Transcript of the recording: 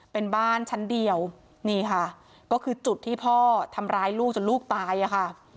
เป็นบ้านชั้นเดียวนี่ค่ะก็คือจุดที่พ่อทำร้ายลูกจนลูกตายอะค่ะ